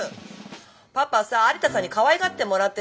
パパさ有田さんにかわいがってもらってたから。